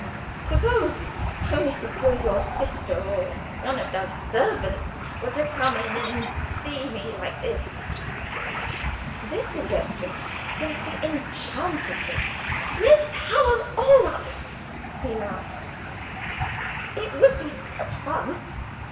Suppose only suppose your sister or one of the servants were to come in, and see me like this!" This suggestion simply enchanted Dick. "Let's have 'em all up," he laughed; "it would be such fun!